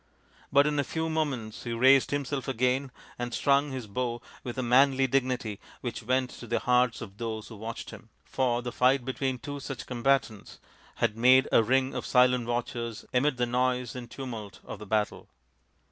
But in a few moments he raised himself again and strung his bow with a manly dignity which went to the hearts of those who watched him ; for the fight between two such combatants had made a ring of silent watchers amid the noise and tumult of the battle.